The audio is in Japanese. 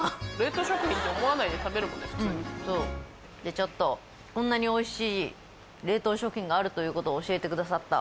ちょっとこんなにおいしい冷凍食品があるということを教えてくださった